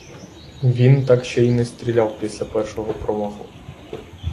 Він так ще й не стріляв після першого промаху.